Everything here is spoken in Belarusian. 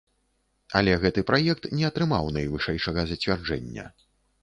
Але гэты праект не атрымаў найвышэйшага зацвярджэння.